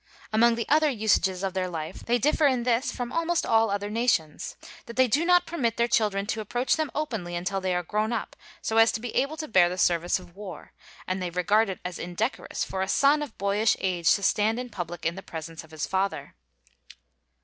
Among the other usages of their life, they differ in this from almost all other nations; that they do not permit their children to approach them openly until they are grown up so as to be able to bear the service of war; and they regard it as indecorous for a son of boyish age to stand in public in the presence of his father.